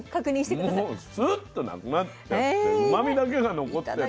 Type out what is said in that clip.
もうスッとなくなっちゃってうまみだけが残ってる。